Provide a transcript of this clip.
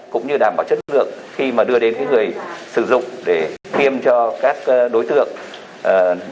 cũng như đảm bảo chất lượng khi mà đưa đến người sử dụng để tiêm cho các đối tượng